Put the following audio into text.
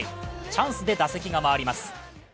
チャンスで打席が回ります。